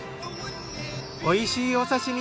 美味しいお刺身